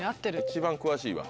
一番詳しいわ